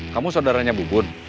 kamu saudaranya bubun